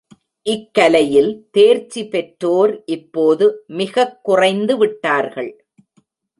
இக்கலையில் தேர்ச்சி பெற்றோர் இப்போது மிகக் குறைந்துவிட்டார்கள்.